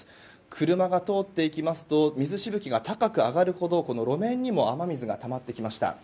車が通っていきますと水しぶきが高く上がるほど路面にも雨水がたまってきました。